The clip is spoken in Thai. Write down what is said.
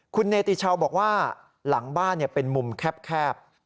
คุณเนติชาวบอกว่าหลังบ้านเป็นมุมแคบ